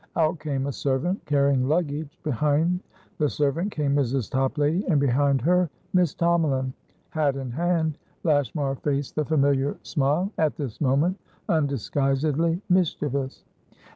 Out came a servant, carrying luggage; behind the servant came Mrs. Toplady, and, behind her, Miss Tomalin. Hat in hand, Lashmar faced the familiar smile, at this moment undisguisedly mischievous.